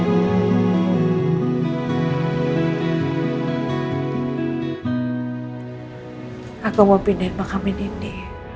aku mau pindahin mahkamin ini